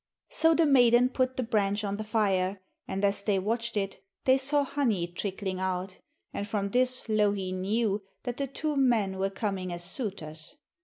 So the maiden put the branch on the fire, and as they watched it they saw honey trickling out, and from this Louhi knew that the two men were coming as suitors.